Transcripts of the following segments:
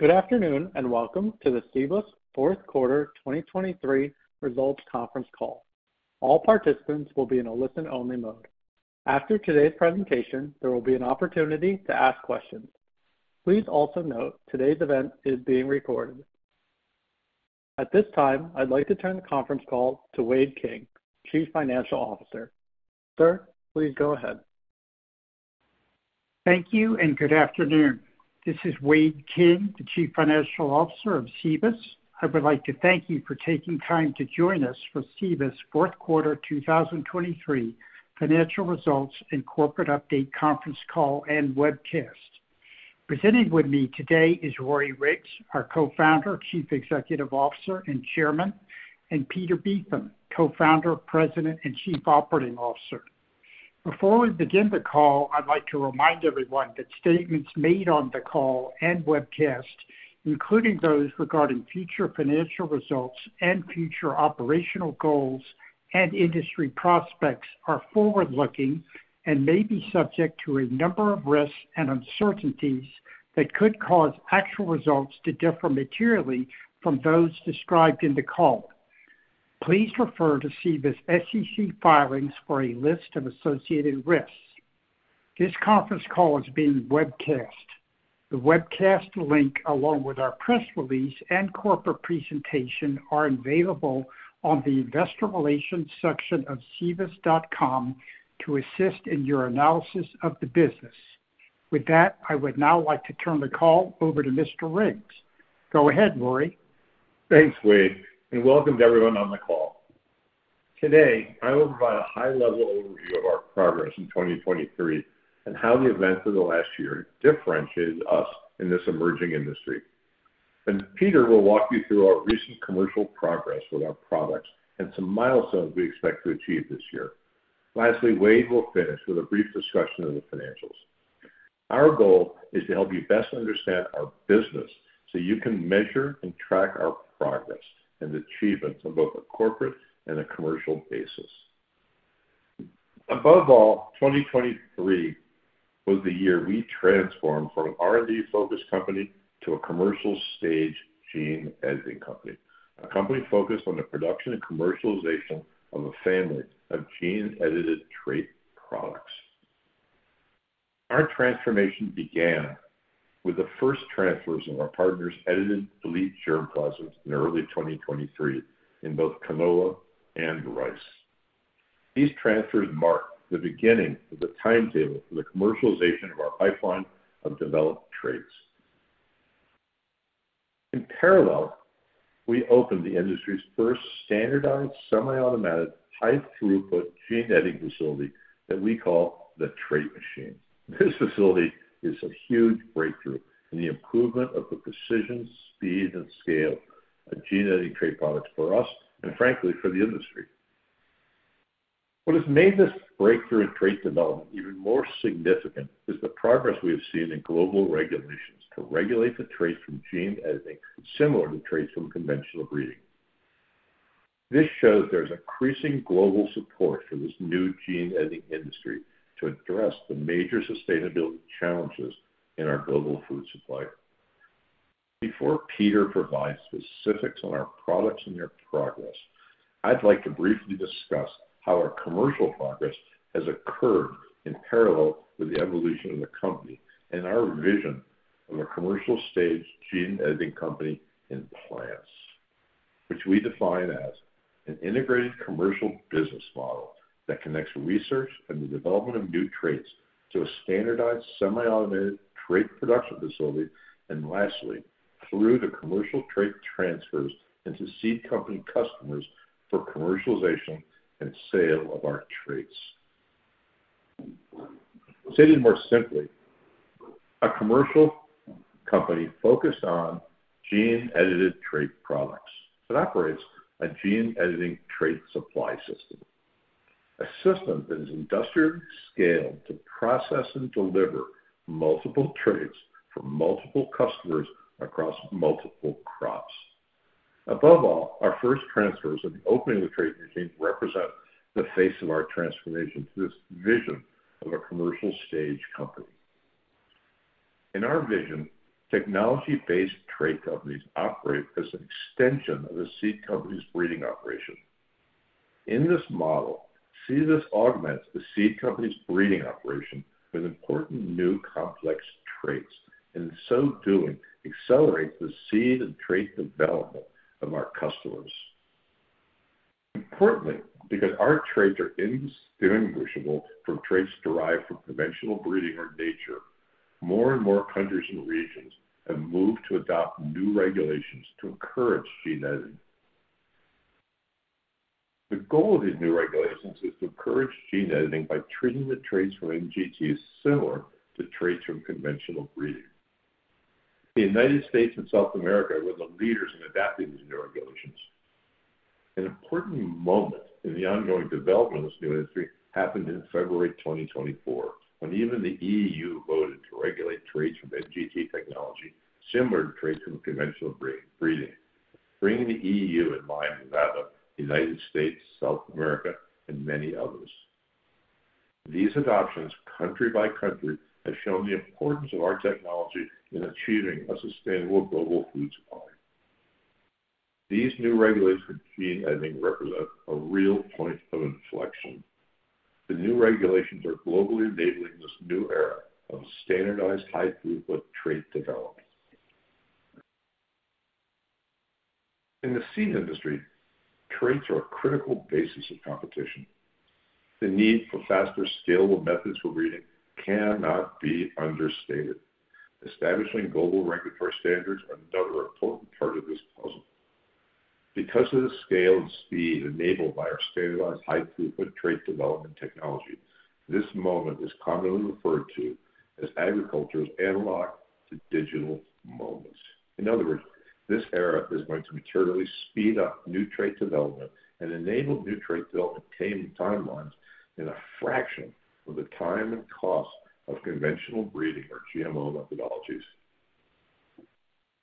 Good afternoon, and welcome to the Cibus fourth quarter 2023 results conference call. All participants will be in a listen-only mode. After today's presentation, there will be an opportunity to ask questions. Please also note today's event is being recorded. At this time, I'd like to turn the conference call to Wade King, Chief Financial Officer. Sir, please go ahead. Thank you and good afternoon. This is Wade King, the Chief Financial Officer of Cibus. I would like to thank you for taking time to join us for Cibus' fourth quarter 2023 financial results and corporate update conference call and webcast. Presenting with me today is Rory Riggs, our Co-founder, Chief Executive Officer, and Chairman, and Peter Beetham, Co-founder, President, and Chief Operating Officer. Before we begin the call, I'd like to remind everyone that statements made on the call and webcast, including those regarding future financial results and future operational goals and industry prospects, are forward-looking and may be subject to a number of risks and uncertainties that could cause actual results to differ materially from those described in the call. Please refer to Cibus' SEC filings for a list of associated risks. This conference call is being webcast. The webcast link, along with our press release and corporate presentation, are available on the investor relations section of cibus.com to assist in your analysis of the business. With that, I would now like to turn the call over to Mr. Riggs. Go ahead, Rory. Thanks, Wade, and welcome to everyone on the call. Today, I will provide a high-level overview of our progress in 2023 and how the events of the last year differentiate us in this emerging industry. Then Peter will walk you through our recent commercial progress with our products and some milestones we expect to achieve this year. Lastly, Wade will finish with a brief discussion of the financials. Our goal is to help you best understand our business so you can measure and track our progress and achievements on both a corporate and a commercial basis. Above all, 2023 was the year we transformed from an R&D-focused company to a commercial-stage gene-editing company, a company focused on the production and commercialization of a family of gene-edited trait products. Our transformation began with the first transfers of our partners' edited elite germplasms in early 2023 in both canola and rice. These transfers marked the beginning of the timetable for the commercialization of our pipeline of developed traits. In parallel, we opened the industry's first standardized, semiautomatic, high-throughput gene-editing facility that we call the Trait Machine. This facility is a huge breakthrough in the improvement of the precision, speed, and scale of gene-editing trait products for us and, frankly, for the industry. What has made this breakthrough in trait development even more significant is the progress we have seen in global regulations to regulate the traits from gene editing, similar to traits from conventional breeding. This shows there's increasing global support for this new gene-editing industry to address the major sustainability challenges in our global food supply. Before Peter provides specifics on our products and their progress, I'd like to briefly discuss how our commercial progress has occurred in parallel with the evolution of the company and our vision of a commercial-stage gene-editing company in plants, which we define as an integrated commercial business model that connects research and the development of new traits to a standardized, semiautomated trait production facility, and lastly, through the commercial trait transfers into seed company customers for commercialization and sale of our traits. Stated more simply, a commercial company focused on gene-edited trait products that operates a gene-editing trait supply system, a system that is industrially scaled to process and deliver multiple traits for multiple customers across multiple crops. Above all, our first transfers and the opening of the Trait Machine represent the face of our transformation to this vision of a commercial-stage company. In our vision, technology-based trait companies operate as an extension of the seed company's breeding operation. In this model, Cibus augments the seed company's breeding operation with important new complex traits, and in so doing, accelerates the seed and trait development of our customers. Importantly, because our traits are indistinguishable from traits derived from conventional breeding or nature, more and more countries and regions have moved to adopt new regulations to encourage gene editing. The goal of these new regulations is to encourage gene editing by treating the traits from NGTs similar to traits from conventional breeding. The United States and South America were the leaders in adopting these new regulations. An important moment in the ongoing development of this new industry happened in February 2024, when even the EU voted to regulate traits from NGT technology, similar to traits from conventional breeding, bringing the EU in line with other United States, South America, and many others. These adoptions, country by country, have shown the importance of our technology in achieving a sustainable global food supply. These new regulations for gene editing represent a real point of inflection. The new regulations are globally enabling this new era of standardized high-throughput trait development. In the seed industry, traits are a critical basis of competition. The need for faster, scalable methods for breeding cannot be understated. Establishing global regulatory standards are another important part of this puzzle. Because of the scale and speed enabled by our standardized high-throughput trait development technology, this moment is commonly referred to as agriculture's analog-to-digital moment. In other words, this era is going to materially speed up new trait development and enable new trait development timelines in a fraction of the time and cost of conventional breeding or GMO methodologies.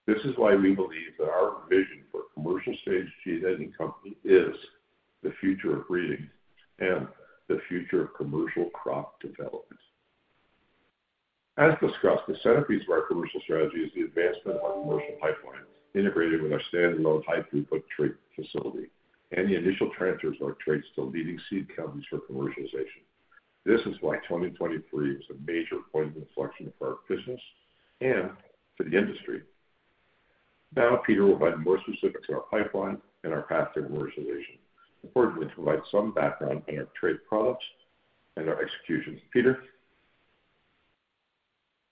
This is why we believe that our vision for a commercial-stage gene editing company is the future of breeding and the future of commercial crop development. As discussed, the centerpiece of our commercial strategy is the advancement of our commercial pipelines, integrated with our standalone high-throughput trait facility, and the initial transfers of our traits to leading seed companies for commercialization. This is why 2023 was a major point of inflection for our business and for the industry. Now, Peter will provide more specifics on our pipeline and our path to commercialization. Importantly, provide some background on our trait products and our execution. Peter?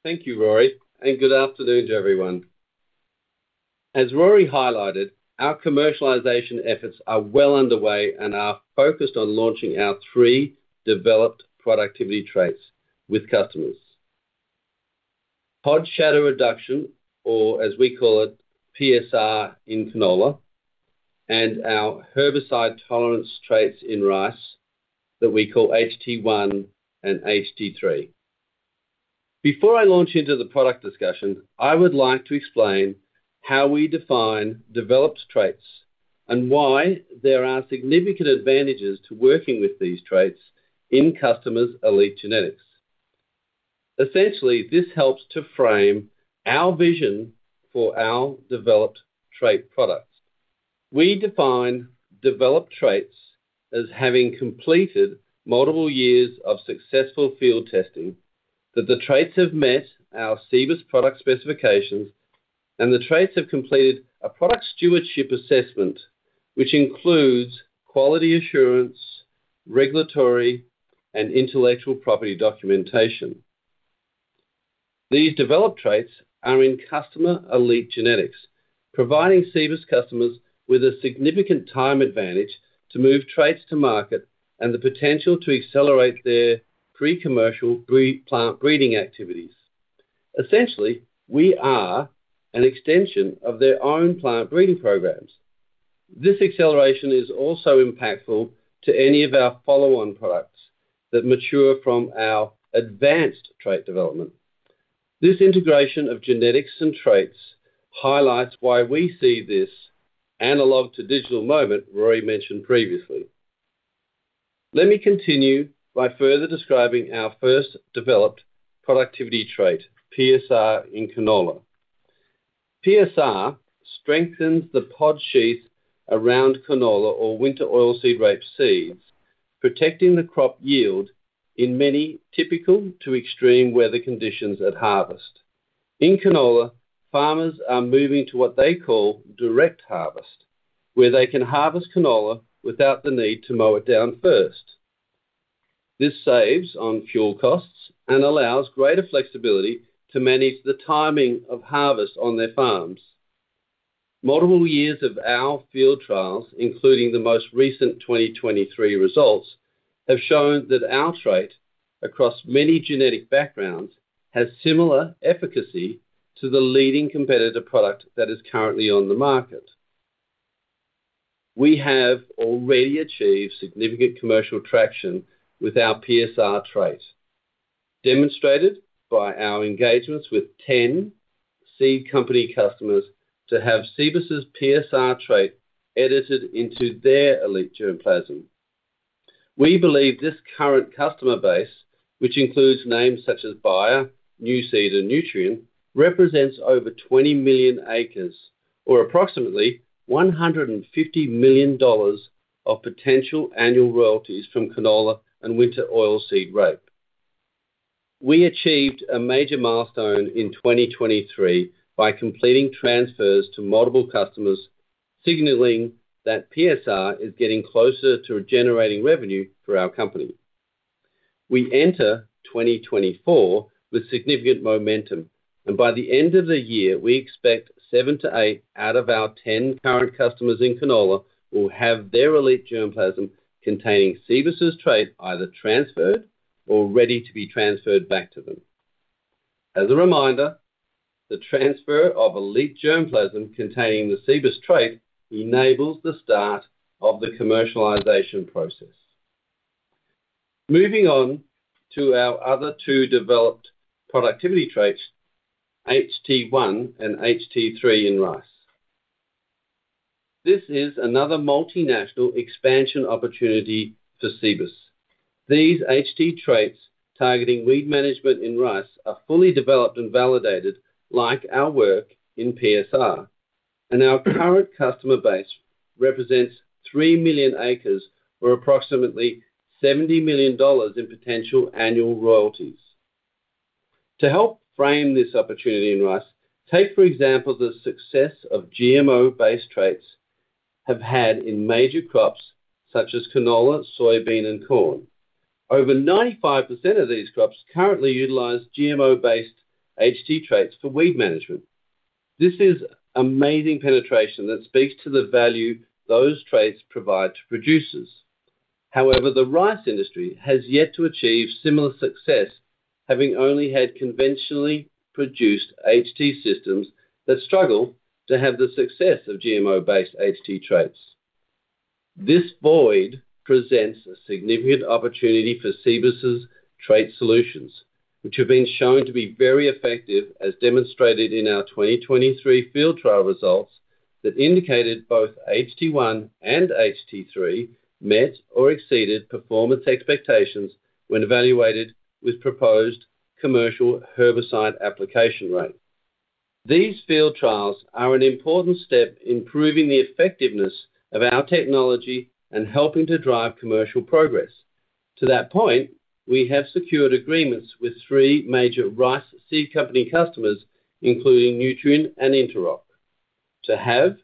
Thank you, Rory, and good afternoon to everyone. As Rory highlighted, our commercialization efforts are well underway and are focused on launching our three developed productivity traits with customers. Pod Shatter Reduction, or as we call it, PSR in canola, and our herbicide tolerance traits in rice, that we call HT1 and HT3. Before I launch into the product discussion, I would like to explain how we define developed traits and why there are significant advantages to working with these traits in customers' elite genetics. Essentially, this helps to frame our vision for our developed trait products. We define developed traits as having completed multiple years of successful field testing, that the traits have met our Cibus product specifications, and the traits have completed a product stewardship assessment, which includes quality assurance, regulatory, and intellectual property documentation. These developed traits are in customer elite genetics, providing Cibus customers with a significant time advantage to move traits to market and the potential to accelerate their pre-commercial plant breeding activities. Essentially, we are an extension of their own plant breeding programs. This acceleration is also impactful to any of our follow-on products that mature from our advanced trait development. This integration of genetics and traits highlights why we see this analog to digital moment Rory mentioned previously. Let me continue by further describing our first developed productivity trait, PSR in canola. PSR strengthens the pod sheath around canola or winter oilseed rape seeds, protecting the crop yield in many typical to extreme weather conditions at harvest. In canola, farmers are moving to what they call direct harvest, where they can harvest canola without the need to mow it down first. This saves on fuel costs and allows greater flexibility to manage the timing of harvest on their farms. Multiple years of our field trials, including the most recent 2023 results, have shown that our trait, across many genetic backgrounds, has similar efficacy to the leading competitor product that is currently on the market. We have already achieved significant commercial traction with our PSR trait, demonstrated by our engagements with 10 seed company customers to have Cibus' PSR trait edited into their elite germplasm. We believe this current customer base, which includes names such as Bayer, Nuseed, and Nutrien, represents over 20 million acres or approximately $150 million of potential annual royalties from canola and winter oilseed rape. We achieved a major milestone in 2023 by completing transfers to multiple customers, signaling that PSR is getting closer to generating revenue for our company. We enter 2024 with significant momentum, and by the end of the year, we expect 7-8 out of our 10 current customers in canola will have their elite germplasm containing Cibus's trait either transferred or ready to be transferred back to them. As a reminder, the transfer of elite germplasm containing the Cibus trait enables the start of the commercialization process. Moving on to our other two developed productivity traits, HT1 and HT3 in rice. This is another multinational expansion opportunity for Cibus. These HT traits targeting weed management in rice are fully developed and validated, like our work in PSR, and our current customer base represents 3 million acres or approximately $70 million in potential annual royalties. To help frame this opportunity in rice, take, for example, the success of GMO-based traits have had in major crops such as canola, soybean, and corn. Over 95% of these crops currently utilize GMO-based HT traits for weed management. This is amazing penetration that speaks to the value those traits provide to producers. However, the rice industry has yet to achieve similar success, having only had conventionally produced HT systems that struggle to have the success of GMO-based HT traits. This void presents a significant opportunity for Cibus's trait solutions, which have been shown to be very effective, as demonstrated in our 2023 field trial results, that indicated both HT1 and HT3 met or exceeded performance expectations when evaluated with proposed commercial herbicide application rate. These field trials are an important step in proving the effectiveness of our technology and helping to drive commercial progress. To that point, we have secured agreements with three major rice seed company customers, including Nutrien and Interoc, to have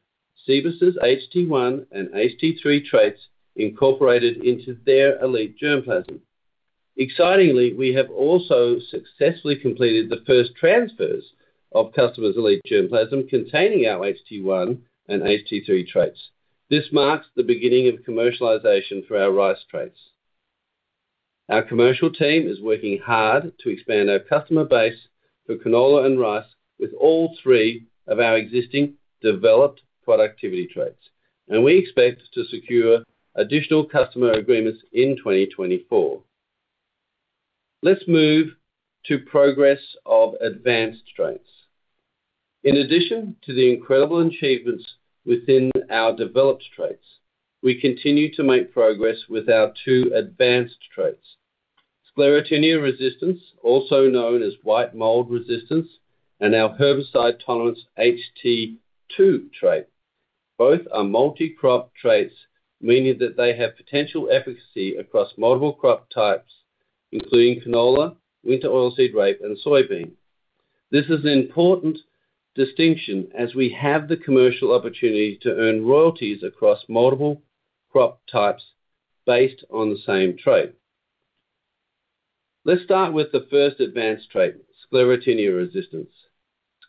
Cibus's HT1 and HT3 traits incorporated into their elite germplasm. Excitingly, we have also successfully completed the first transfers of customers' elite germplasm containing our HT1 and HT3 traits. This marks the beginning of commercialization for our rice traits. Our commercial team is working hard to expand our customer base for canola and rice with all three of our existing developed productivity traits, and we expect to secure additional customer agreements in 2024. Let's move to progress of advanced traits. In addition to the incredible achievements within our developed traits, we continue to make progress with our two advanced traits: Sclerotinia resistance, also known as white mold resistance, and our herbicide tolerance HT2 trait. Both are multi-crop traits, meaning that they have potential efficacy across multiple crop types, including canola, winter oilseed rape, and soybean. This is an important distinction as we have the commercial opportunity to earn royalties across multiple crop types based on the same trait. Let's start with the first advanced trait, Sclerotinia Resistance.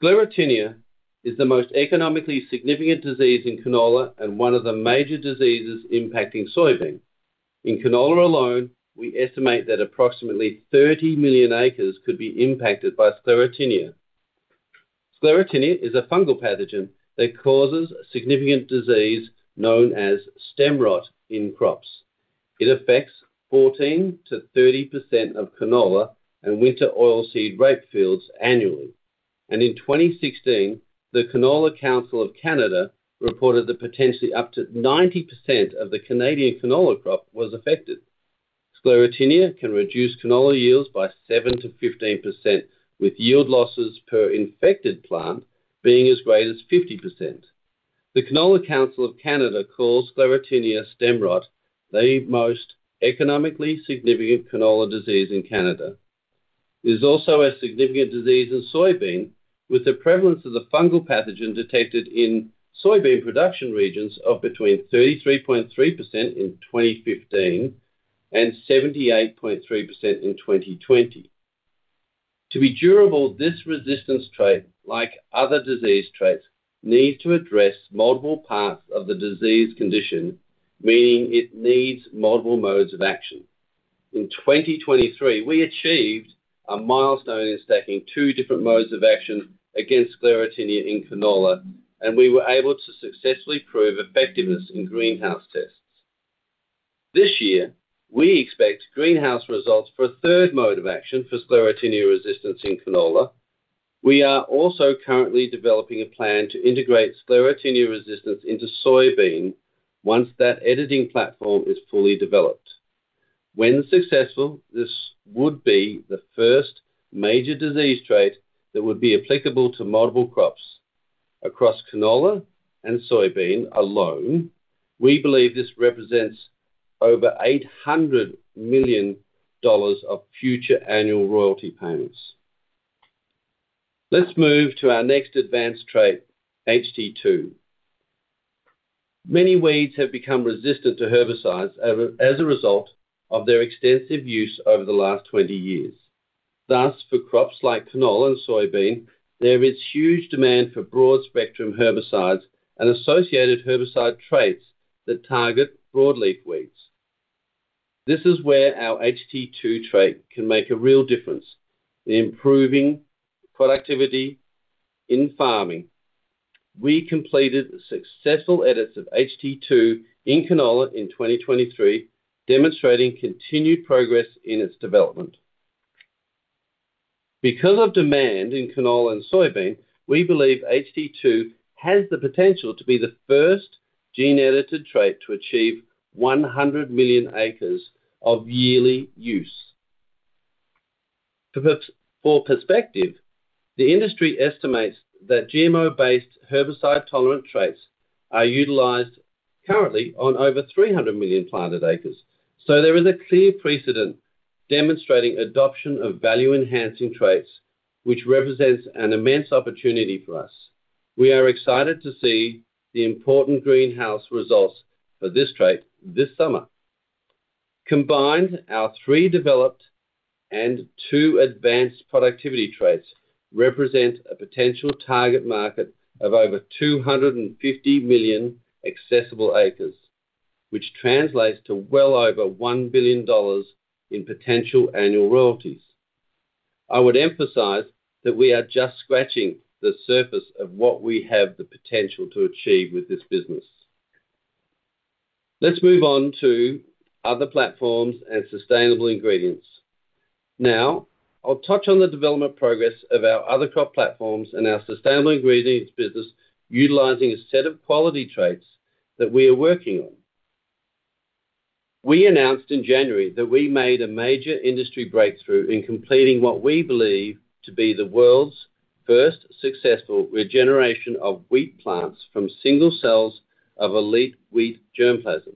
Sclerotinia is the most economically significant disease in canola and one of the major diseases impacting soybean. In canola alone, we estimate that approximately 30 million acres could be impacted by Sclerotinia. Sclerotinia is a fungal pathogen that causes significant disease known as stem rot in crops. It affects 14%-30% of canola and winter oilseed rape fields annually, and in 2016, the Canola Council of Canada reported that potentially up to 90% of the Canadian canola crop was affected. Sclerotinia can reduce canola yields by 7%-15%, with yield losses per infected plant being as great as 50%. The Canola Council of Canada calls Sclerotinia stem rot the most economically significant canola disease in Canada. It is also a significant disease in soybean, with the prevalence of the fungal pathogen detected in soybean production regions of between 33.3% in 2015 and 78.3% in 2020. To be durable, this resistance trait, like other disease traits, needs to address multiple parts of the disease condition, meaning it needs multiple modes of action. In 2023, we achieved a milestone in stacking two different modes of action against Sclerotinia in canola, and we were able to successfully prove effectiveness in greenhouse tests. This year, we expect greenhouse results for a third mode of action for Sclerotinia resistance in canola. We are also currently developing a plan to integrate Sclerotinia resistance into soybean once that editing platform is fully developed. When successful, this would be the first major disease trait that would be applicable to multiple crops. Across canola and soybean alone, we believe this represents over $800 million of future annual royalty payments. Let's move to our next advanced trait, HT2. Many weeds have become resistant to herbicides as a result of their extensive use over the last 20 years. Thus, for crops like canola and soybean, there is huge demand for broad-spectrum herbicides and associated herbicide traits that target broad leaf weeds. This is where our HT2 trait can make a real difference in improving productivity in farming. We completed successful edits of HT2 in canola in 2023, demonstrating continued progress in its development. Because of demand in canola and soybean, we believe HT2 has the potential to be the first gene-edited trait to achieve 100 million acres of yearly use. For perspective, the industry estimates that GMO-based herbicide-tolerant traits are utilized currently on over 300 million planted acres, so there is a clear precedent demonstrating adoption of value-enhancing traits, which represents an immense opportunity for us. We are excited to see the important greenhouse results for this trait this summer. Combined, our three developed and two advanced productivity traits represent a potential target market of over 250 million accessible acres, which translates to well over $1 billion in potential annual royalties. I would emphasize that we are just scratching the surface of what we have the potential to achieve with this business. Let's move on to other platforms and sustainable ingredients. Now, I'll touch on the development progress of our other crop platforms and our sustainable ingredients business, utilizing a set of quality traits that we are working on. We announced in January that we made a major industry breakthrough in completing what we believe to be the world's first successful regeneration of wheat plants from single cells of elite wheat germplasm.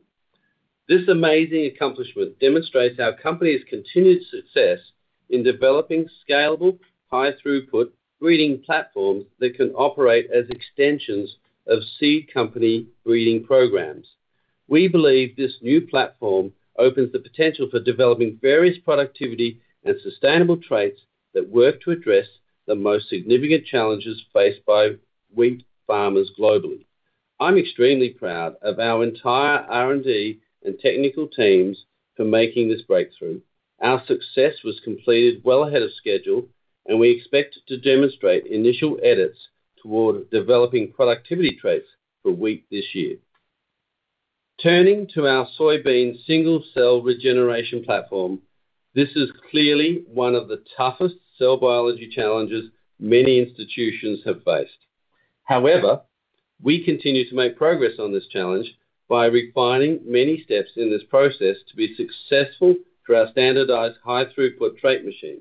This amazing accomplishment demonstrates our company's continued success in developing scalable, high-throughput breeding platforms that can operate as extensions of seed company breeding programs. We believe this new platform opens the potential for developing various productivity and sustainable traits that work to address the most significant challenges faced by wheat farmers globally. I'm extremely proud of our entire R&D and technical teams for making this breakthrough. Our success was completed well ahead of schedule, and we expect to demonstrate initial edits toward developing productivity traits for wheat this year. Turning to our soybean single-cell regeneration platform, this is clearly one of the toughest cell biology challenges many institutions have faced. However, we continue to make progress on this challenge by refining many steps in this process to be successful through our standardized high-throughput Trait Machine.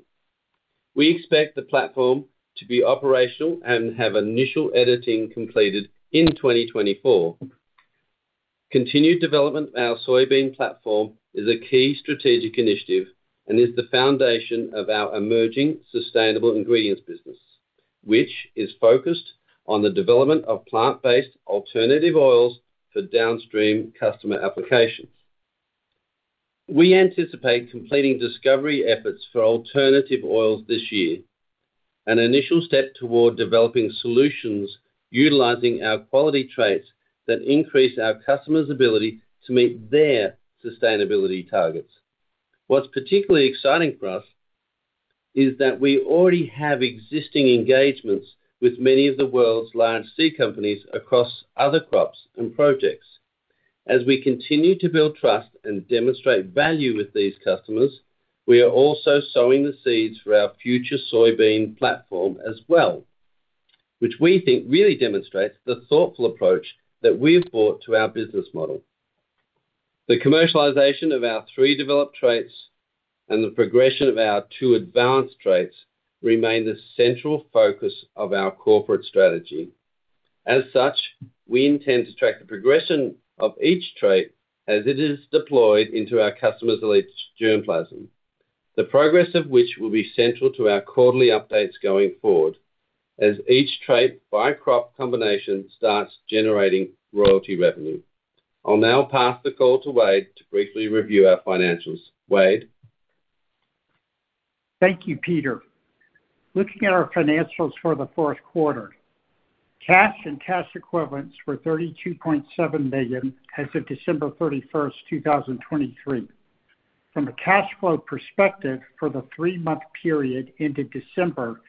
We expect the platform to be operational and have initial editing completed in 2024. Continued development of our soybean platform is a key strategic initiative and is the foundation of our emerging sustainable ingredients business, which is focused on the development of plant-based alternative oils for downstream customer applications. We anticipate completing discovery efforts for alternative oils this year, an initial step toward developing solutions utilizing our quality traits that increase our customers' ability to meet their sustainability targets. What's particularly exciting for us is that we already have existing engagements with many of the world's large seed companies across other crops and projects. As we continue to build trust and demonstrate value with these customers, we are also sowing the seeds for our future soybean platform as well, which we think really demonstrates the thoughtful approach that we've brought to our business model. The commercialization of our three developed traits and the progression of our two advanced traits remain the central focus of our corporate strategy. As such, we intend to track the progression of each trait as it is deployed into our customer's elite germplasm. The progress of which will be central to our quarterly updates going forward, as each trait by crop combination starts generating royalty revenue. I'll now pass the call to Wade to briefly review our financials. Wade? Thank you, Peter. Looking at our financials for the fourth quarter, cash and cash equivalents were $32.7 million as of December 31, 2023. From a cash flow perspective, for the three-month period into December,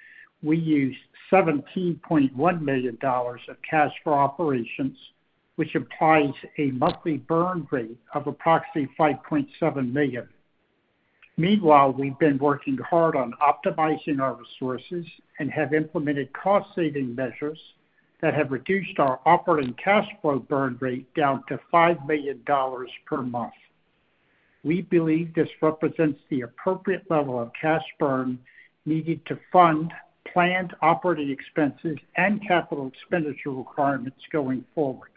we used $17.1 million of cash for operations, which implies a monthly burn rate of approximately $5.7 million. Meanwhile, we've been working hard on optimizing our resources and have implemented cost-saving measures that have reduced our operating cash flow burn rate down to $5 million per month. We believe this represents the appropriate level of cash burn needed to fund planned operating expenses and capital expenditure requirements going forward.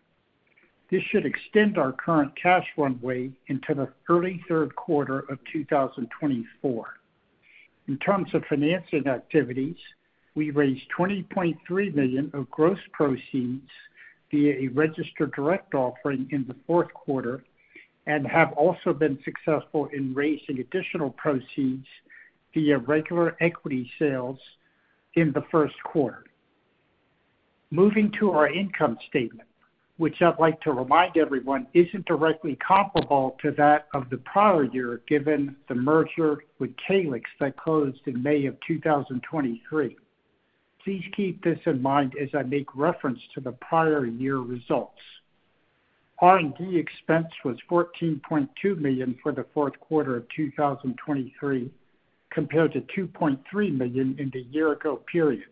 This should extend our current cash runway into the early third quarter of 2024. In terms of financing activities, we raised $20.3 million of gross proceeds via a registered direct offering in the fourth quarter, and have also been successful in raising additional proceeds via regular equity sales in the first quarter. Moving to our income statement, which I'd like to remind everyone, isn't directly comparable to that of the prior year, given the merger with Calyxt that closed in May 2023. Please keep this in mind as I make reference to the prior year results. R&D expense was $14.2 million for the fourth quarter of 2023, compared to $2.3 million in the year ago period.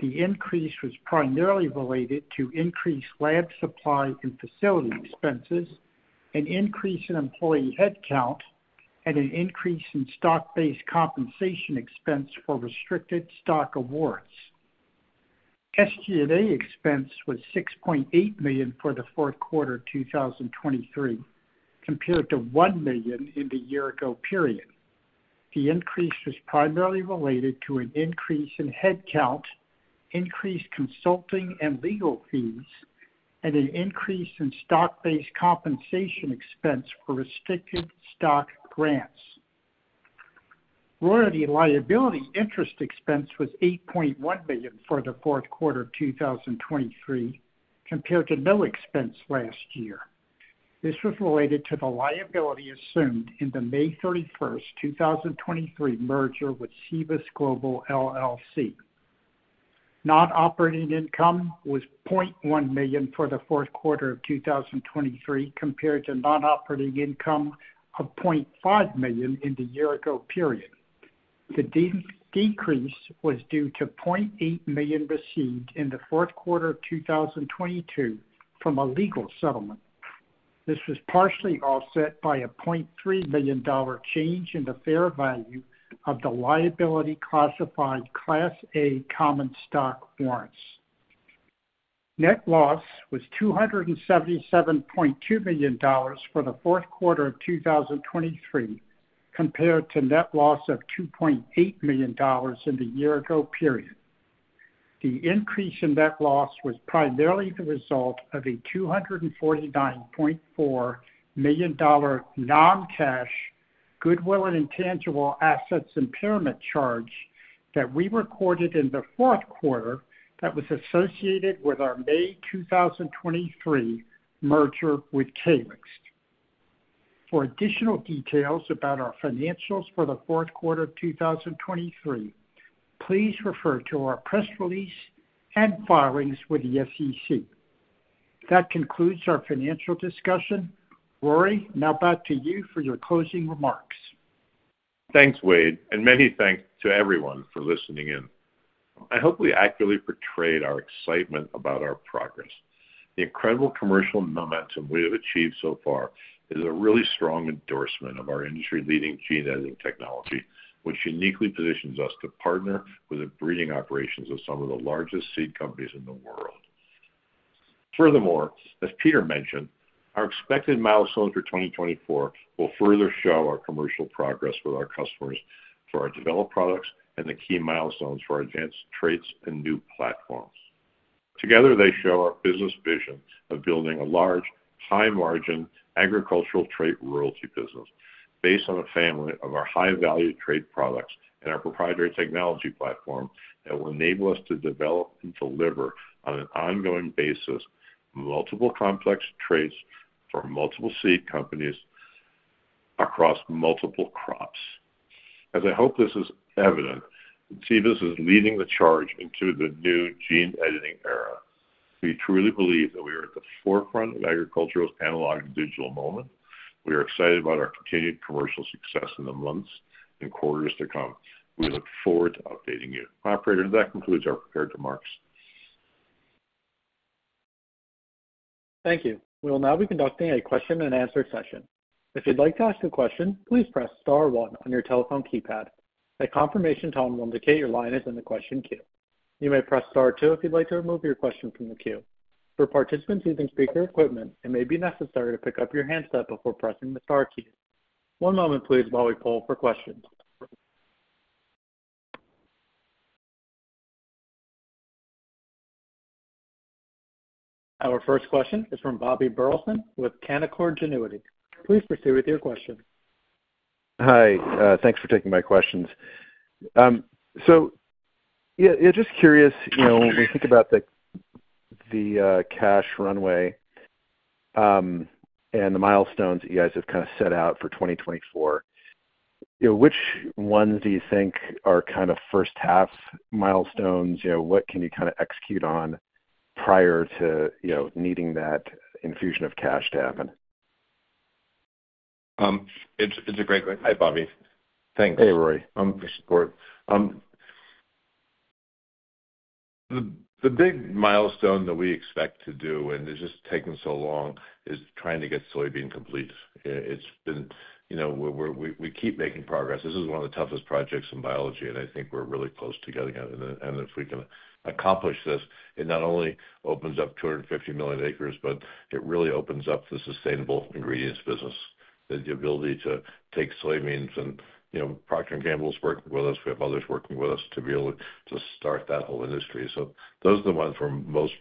The increase was primarily related to increased lab supply and facility expenses, an increase in employee headcount, and an increase in stock-based compensation expense for restricted stock awards. SG&A expense was $6.8 million for the fourth quarter 2023, compared to $1 million in the year ago period. The increase was primarily related to an increase in headcount, increased consulting and legal fees, and an increase in stock-based compensation expense for restricted stock grants. Royalty liability interest expense was $8.1 million for the fourth quarter of 2023, compared to no expense last year. This was related to the liability assumed in the May 31, 2023 merger with Cibus Global, LLC. Non-operating income was $0.1 million for the fourth quarter of 2023, compared to non-operating income of $0.5 million in the year ago period. The decrease was due to $0.8 million received in the fourth quarter of 2022 from a legal settlement. This was partially offset by a $0.3 million change in the fair value of the liability classified Class A common stock warrants. Net loss was $277.2 million for the fourth quarter of 2023, compared to net loss of $2.8 million in the year ago period. The increase in net loss was primarily the result of a $249.4 million non-cash goodwill and intangible assets impairment charge that we recorded in the fourth quarter that was associated with our May 2023 merger with Calyxt. For additional details about our financials for the fourth quarter of 2023, please refer to our press release and filings with the SEC. That concludes our financial discussion. Rory, now back to you for your closing remarks. Thanks, Wade, and many thanks to everyone for listening in. I hope we accurately portrayed our excitement about our progress. The incredible commercial momentum we have achieved so far is a really strong endorsement of our industry-leading gene editing technology, which uniquely positions us to partner with the breeding operations of some of the largest seed companies in the world. Furthermore, as Peter mentioned, our expected milestones for 2024 will further show our commercial progress with our customers for our developed products and the key milestones for our advanced traits and new platforms. Together, they show our business vision of building a large, high-margin agricultural trait royalty business based on a family of our high-value trait products and our proprietary technology platform that will enable us to develop and deliver on an ongoing basis, multiple complex traits for multiple seed companies across multiple crops. As I hope this is evident, Cibus is leading the charge into the new gene editing era. We truly believe that we are at the forefront of agriculture's analog-to-digital moment. We are excited about our continued commercial success in the months and quarters to come. We look forward to updating you. Operator, that concludes our prepared remarks. Thank you. We will now be conducting a question-and-answer session. If you'd like to ask a question, please press star one on your telephone keypad. A confirmation tone will indicate your line is in the question queue. You may press star two if you'd like to remove your question from the queue. For participants using speaker equipment, it may be necessary to pick up your handset before pressing the star key. One moment, please, while we poll for questions. Our first question is from Bobby Burleson with Canaccord Genuity. Please proceed with your question. Hi, thanks for taking my questions. So, yeah, yeah, just curious, you know, when we think about the cash runway, and the milestones that you guys have kind of set out for 2024, you know, which ones do you think are kind of first half milestones? You know, what can you kind of execute on prior to, you know, needing that infusion of cash to happen? It's a great question. Hi, Bobby. Thanks. Hey, Rory. For support. The big milestone that we expect to do, and it's just taking so long, is trying to get soybean complete. It's been. You know, we keep making progress. This is one of the toughest projects in biology, and I think we're really close to getting it. And if we can accomplish this, it not only opens up 250 million acres, but it really opens up the sustainable ingredients business, the ability to take soybeans and, you know, Procter & Gamble is working with us, we have others working with us to be able to start that whole industry. So those are the ones we're most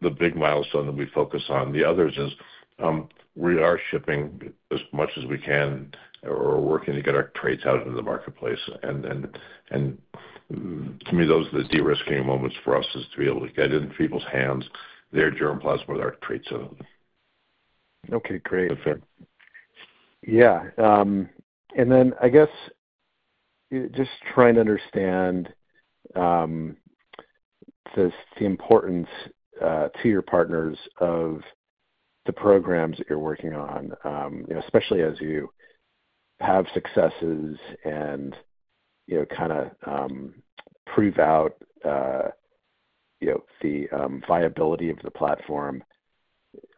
the big milestone that we focus on. The others is, we are shipping as much as we can or working to get our traits out into the marketplace. To me, those are the de-risking moments for us, is to be able to get it in people's hands, their germplasm with our traits in them. Okay, great. Yeah. And then I guess, just trying to understand the importance to your partners of the programs that you're working on. You know, especially as you have successes and, you know, kind of, prove out you know, the viability of the platform.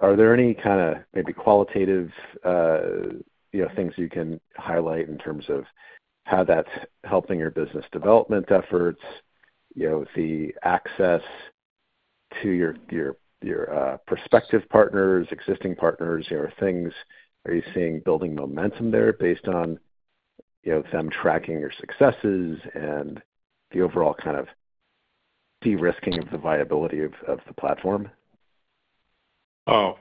Are there any kind of maybe qualitative you know, things you can highlight in terms of how that's helping your business development efforts? You know, the access to your prospective partners, existing partners, you know, things, are you seeing building momentum there based on, you know, them tracking your successes and the overall kind of de-risking of the viability of the platform? Oh,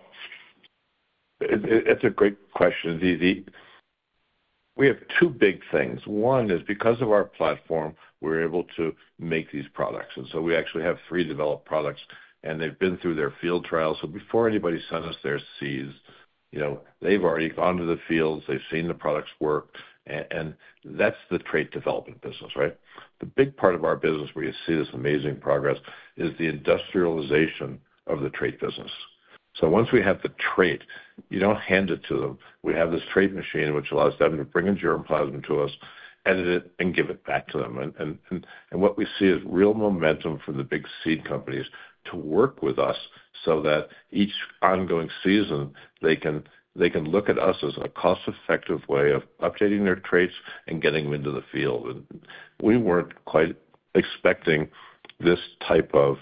it's a great question, See. We have two big things. One is because of our platform, we're able to make these products. And so we actually have three developed products, and they've been through their field trials. So before anybody sends us their seeds, you know, they've already gone to the fields, they've seen the products work, and that's the trait development business, right? The big part of our business, where you see this amazing progress, is the industrialization of the trait business. So once we have the trait, you don't hand it to them. We have this Trait Machine, which allows them to bring a germplasm to us, edit it, and give it back to them. What we see is real momentum from the big seed companies to work with us so that each ongoing season, they can look at us as a cost-effective way of updating their traits and getting them into the field. And we weren't quite expecting this type of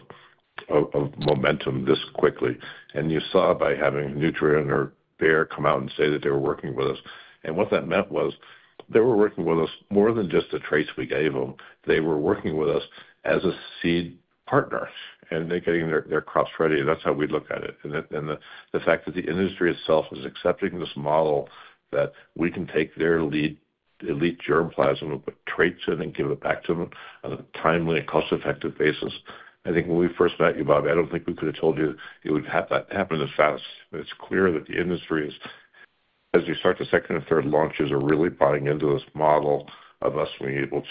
momentum this quickly. And you saw by having Nutrien or Bayer come out and say that they were working with us. And what that meant was they were working with us more than just the traits we gave them. They were working with us as a seed partner, and they're getting their crops ready, and that's how we look at it. The fact that the industry itself is accepting this model, that we can take their elite germplasm and put traits in and give it back to them on a timely and cost-effective basis. I think when we first met you, Bobby, I don't think we could have told you it would happen this fast. But it's clear that the industry is, as you start the second and third launches, are really buying into this model of us being able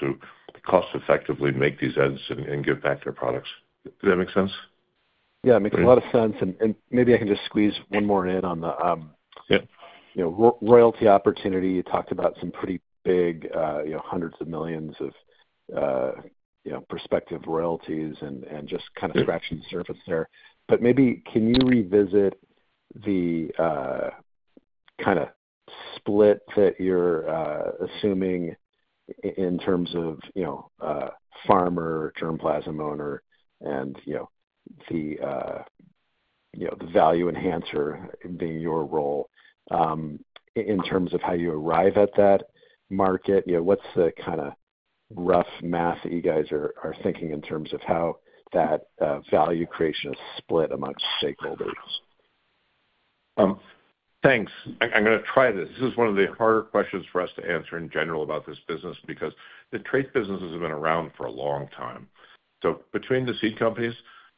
to cost effectively make these edits and give back their products. Does that make sense? Yeah, it makes a lot of sense. And maybe I can just squeeze one more in on the. Yeah. You know, royalty opportunity. You talked about some pretty big, you know, hundreds of millions of, you know, prospective royalties and just kind of scratching the surface there. But maybe can you revisit the kind of split that you're assuming in terms of, you know, farmer, germplasm owner, and, you know, the value enhancer being your role, in terms of how you arrive at that market? You know, what's the kind of rough math that you guys are thinking in terms of how that value creation is split amongst stakeholders? Thanks. I'm gonna try this. This is one of the harder questions for us to answer in general about this business, because the trait businesses have been around for a long time. So between the seed companies,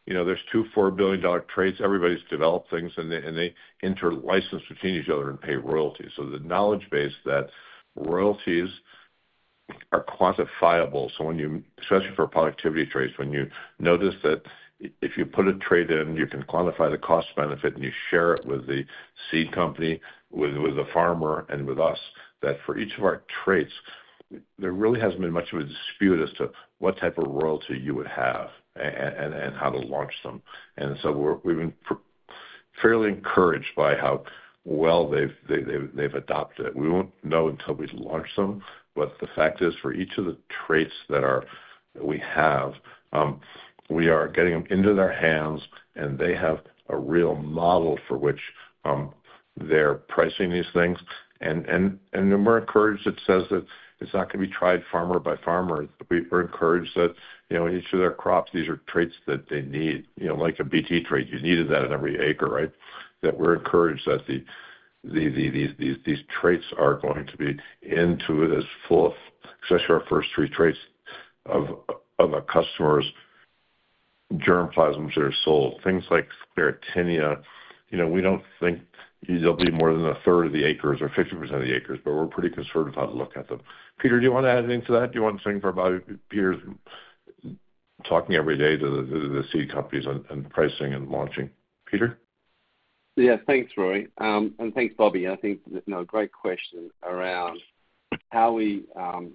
you know, there's $2 billion-$4 billion traits. Everybody's developed things, and they interlicense between each other and pay royalties. So the knowledge base that royalties are quantifiable. So when you, especially for productivity traits, when you notice that if you put a trait in, you can quantify the cost benefit, and you share it with the seed company, with the farmer, and with us, that for each of our traits, there really hasn't been much of a dispute as to what type of royalty you would have and how to launch them. And so we've been fairly encouraged by how well they've adopted it. We won't know until we launch them. But the fact is, for each of the traits that we have, we are getting them into their hands, and they have a real model for which they're pricing these things. And then we're encouraged that says that it's not going to be tried farmer by farmer. We're encouraged that, you know, in each of their crops, these are traits that they need. You know, like a Bt trait, you needed that in every acre, right? That we're encouraged that these traits are going to be into it as full, especially our first three traits of a customer's germplasm, which are sold, things like Sclerotinia. You know, we don't think they'll be more than a third of the acres or 50% of the acres, but we're pretty conservative how to look at them. Peter, do you want to add anything to that? Do you want to say anything for about Peter's talking every day to the seed companies and pricing and launching? Peter? Yeah. Thanks, Rory. And thanks, Bobby. I think, you know, great question around how we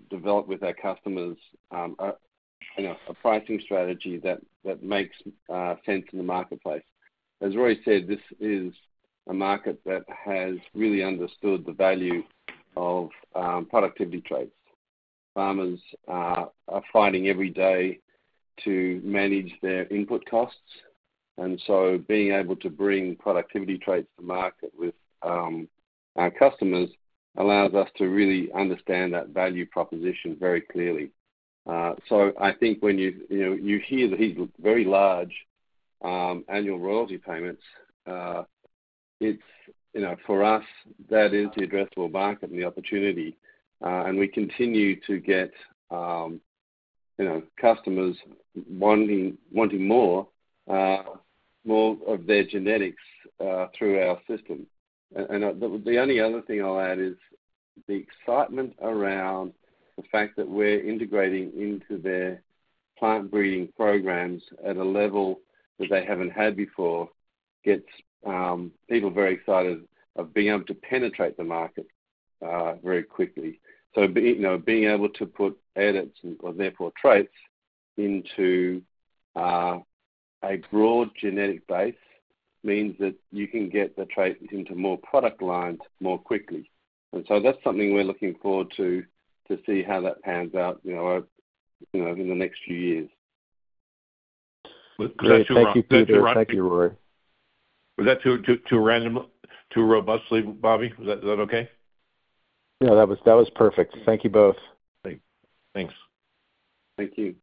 develop with our customers a pricing strategy that makes sense in the marketplace. As Rory said, this is a market that has really understood the value of productivity traits. Farmers are fighting every day to manage their input costs, and so being able to bring productivity traits to market with our customers allows us to really understand that value proposition very clearly. So I think when you, you know, you hear these very large annual royalty payments, it's, you know, for us, that is the addressable market and the opportunity. And we continue to get, you know, customers wanting more of their genetics through our system. The only other thing I'll add is the excitement around the fact that we're integrating into their plant breeding programs at a level that they haven't had before, gets people very excited of being able to penetrate the market very quickly. So, you know, being able to put edits and therefore traits into a broad genetic base means that you can get the traits into more product lines more quickly. So that's something we're looking forward to, to see how that pans out, you know, you know, in the next few years. Thank you, Peter. Thank you, Rory. Was that too random, too robustly, Bobby? Was that, is that okay? No, that was, that was perfect. Thank you both. Thanks. Thank you.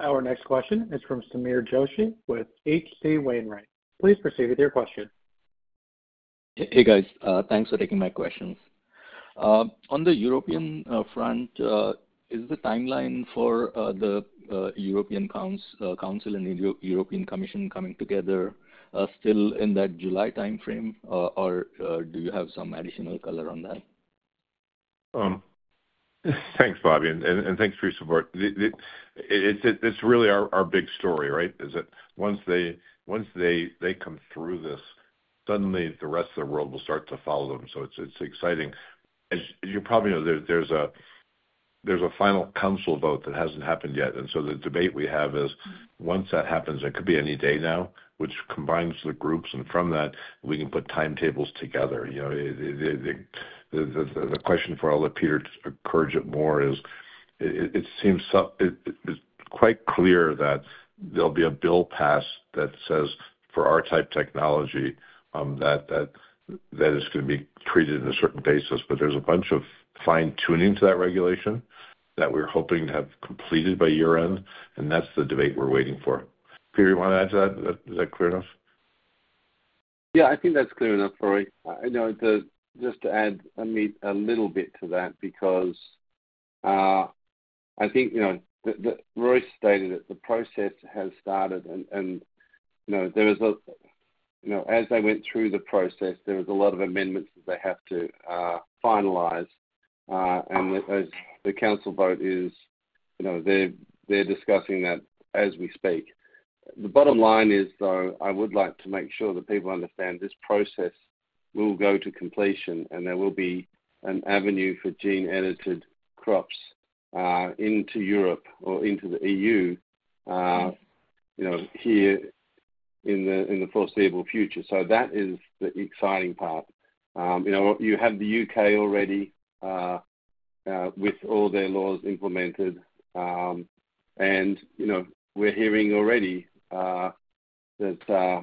Our next question is from Sameer Joshi with H.C. Wainwright. Please proceed with your question. Hey, hey, guys, thanks for taking my questions. On the European front, is the timeline for the European Council and European Commission coming together still in that July timeframe, or do you have some additional color on that? Thanks, Bobby, and thanks for your support. It's really our big story, right? Is that once they come through this, suddenly the rest of the world will start to follow them. So it's exciting. As you probably know, there's a final council vote that hasn't happened yet, and so the debate we have is once that happens, it could be any day now, which combines the groups, and from that, we can put timetables together. You know, the question for all that Peter covered it more, it seems so. It's quite clear that there'll be a bill passed that says, for our type technology, that is going to be treated in a certain basis. But there's a bunch of fine-tuning to that regulation that we're hoping to have completed by year-end, and that's the debate we're waiting for. Peter, you want to add to that? Is that clear enough? Yeah, I think that's clear enough, Rory. You know, just to add a little bit to that, because, I think, you know, the Rory stated it, the process has started and, you know, there is, you know, as they went through the process, there was a lot of amendments that they have to finalize. And as the council vote is, you know, they're discussing that as we speak. The bottom line is, though, I would like to make sure that people understand this process will go to completion, and there will be an avenue for gene-edited crops into Europe or into the EU, you know, here in the foreseeable future. So that is the exciting part. You know, you have the U.K. already with all their laws implemented. You know, we're hearing already that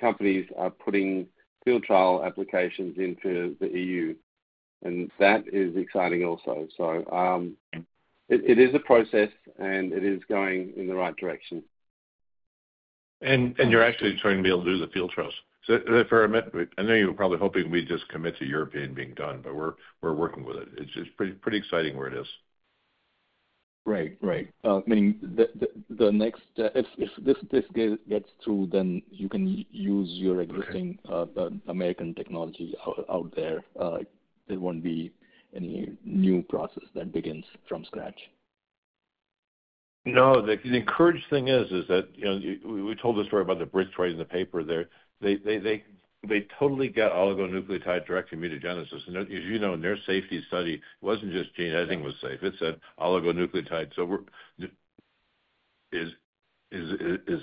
companies are putting field trial applications into the EU, and that is exciting also. It is a process, and it is going in the right direction. And you're actually trying to be able to do the field trials. So for me, I know you were probably hoping we'd just commit to European being done, but we're working with it. It's just pretty exciting where it is. Right. Right. Meaning the next, if this gets through, then you can use your existing. Okay. American technology out there. There won't be any new process that begins from scratch. No, the encouraged thing is that, you know, we told the story about the bred trait in the paper there. They totally got oligonucleotide-directed mutagenesis. And as you know, in their safety study, it wasn't just gene editing was safe, it said oligonucleotide, so we're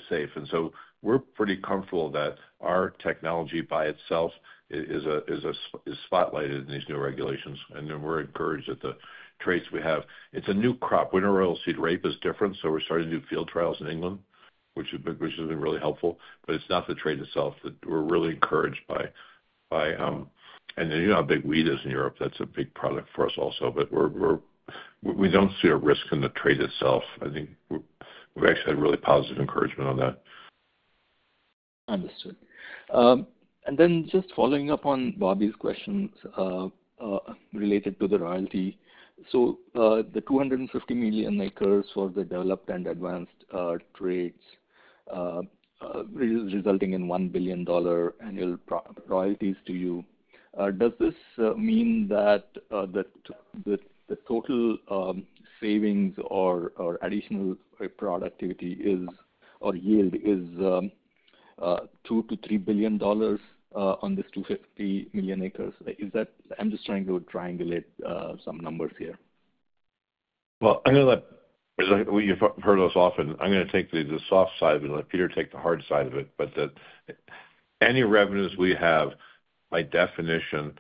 safe. And so we're pretty comfortable that our technology by itself is spotlighted in these new regulations, and then we're encouraged that the traits we have. It's a new crop. Winter oilseed rape is different, so we're starting to do field trials in England, which has been really helpful, but it's not the trait itself that we're really encouraged by. And then, you know, how big wheat is in Europe. That's a big product for us also. But we don't see a risk in the trait itself. I think we've actually had really positive encouragement on that. Understood. And then just following up on Bobby's questions, related to the royalty. So, the 250 million acres for the developed and advanced traits, resulting in $1 billion annual royalties to you. Does this mean that the total savings or additional productivity is, or yield is, $2 billion-$3 billion on this 250 million acres? Is that? I'm just trying to triangulate some numbers here. Well, I'm gonna let. You've heard us often. I'm gonna take the soft side and let Peter take the hard side of it. But any revenues we have, by definition,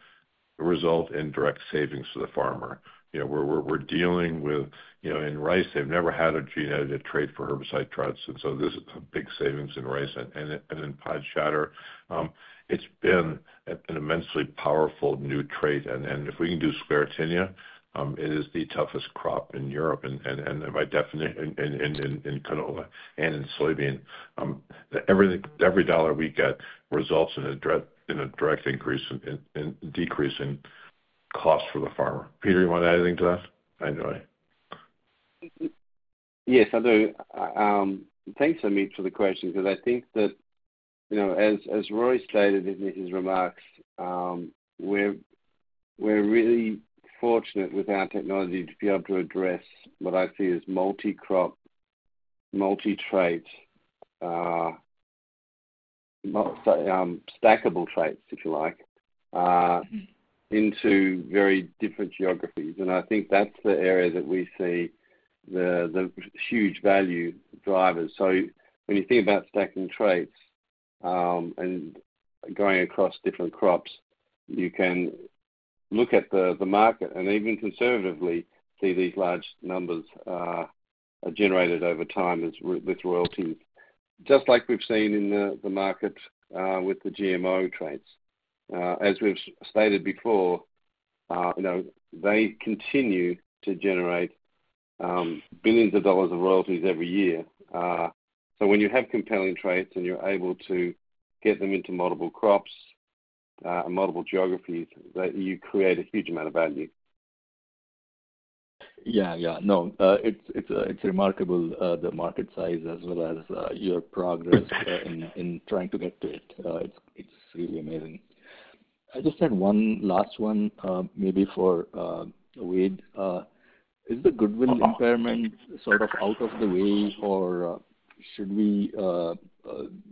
result in direct savings to the farmer. You know, we're dealing with, you know, in rice, they've never had a gene-edited trait for herbicide traits, and so this is a big savings in rice and in pod shatter. It's been an immensely powerful new trait. And if we can do sclerotinia, it is the toughest crop in Europe and by definition in canola and in soybean. Every dollar we get results in a direct increase in decrease in cost for the farmer. Peter, you want to add anything to that? I know I. Yes, I do. Thanks, Amit, for the question, because I think that, you know, as Rory stated in his remarks, we're really fortunate with our technology to be able to address what I see as multi-crop, multi-trait stackable traits, if you like, into very different geographies. And I think that's the area that we see the huge value drivers. So when you think about stacking traits and going across different crops, you can look at the market and even conservatively see these large numbers are generated over time with royalties. Just like we've seen in the market with the GMO traits. As we've stated before, you know, they continue to generate billions of dollars of royalties every year. So when you have compelling traits, and you're able to get them into multiple crops, and multiple geographies, that you create a huge amount of value. Yeah, yeah. No, it's, it's, it's remarkable, the market size as well as, your progress in, in trying to get to it. It's really amazing. I just had one last one, maybe for Wade. Is the goodwill impairment sort of out of the way, or, should we, I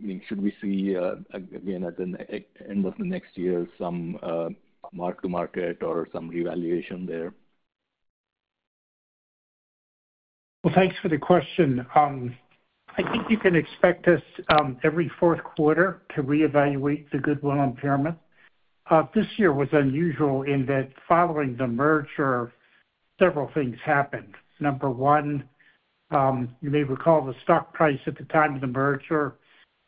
mean, should we see, again, at the end of the next year, some, mark to market or some revaluation there? Well, thanks for the question. I think you can expect us, every fourth quarter to reevaluate the goodwill impairment. This year was unusual in that following the merger, several things happened. Number one, you may recall the stock price at the time of the merger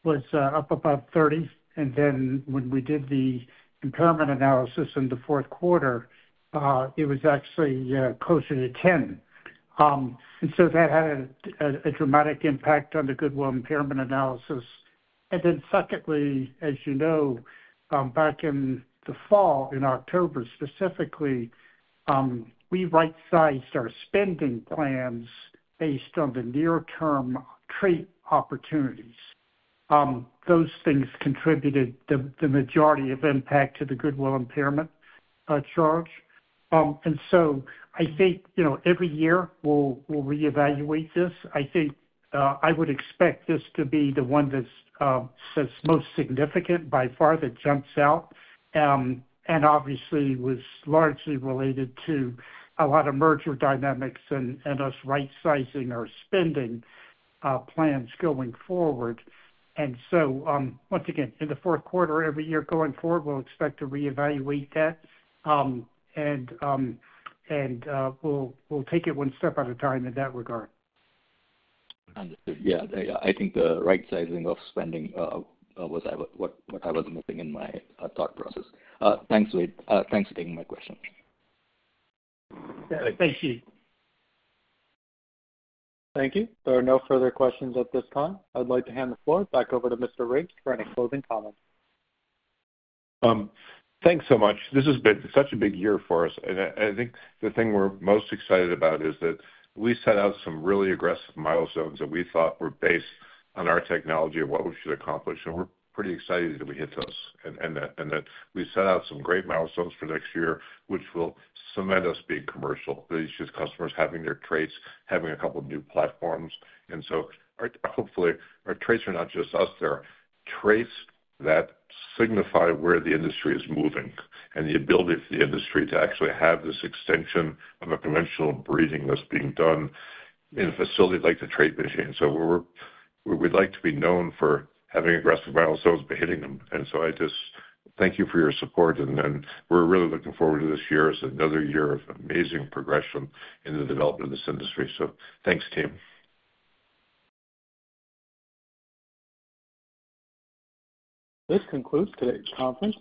was, up about $30, and then when we did the impairment analysis in the fourth quarter, it was actually, closer to $10. And so that had a dramatic impact on the goodwill impairment analysis. And then secondly, as you know, back in the fall, in October, specifically, we right-sized our spending plans based on the near-term trait opportunities. Those things contributed the majority of impact to the goodwill impairment, charge. And so I think, you know, every year we'll reevaluate this. I think, I would expect this to be the one that's most significant by far, that jumps out, and obviously was largely related to a lot of merger dynamics and us right-sizing our spending plans going forward. And so, once again, in the fourth quarter, every year going forward, we'll expect to reevaluate that. And, we'll take it one step at a time in that regard. Understood. Yeah, I think the right sizing of spending was what I was missing in my thought process. Thanks, Wade. Thanks for taking my question. Yeah, thank you. Thank you. There are no further questions at this time. I'd like to hand the floor back over to Mr. Riggs for any closing comments. Thanks so much. This has been such a big year for us, and I think the thing we're most excited about is that we set out some really aggressive milestones that we thought were based on our technology and what we should accomplish, and we're pretty excited that we hit those. And that we set out some great milestones for next year, which will cement us being commercial. It's just customers having their traits, having a couple of new platforms. And so our, hopefully, our traits are not just us, they're traits that signify where the industry is moving and the ability for the industry to actually have this extension of a conventional breeding that's being done in a facility like The Trait Machine. So we're, we'd like to be known for having aggressive milestones, but hitting them. I just thank you for your support, and then we're really looking forward to this year as another year of amazing progression in the development of this industry. Thanks, team. This concludes today's conference.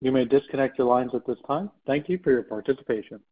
You may disconnect your lines at this time. Thank you for your participation.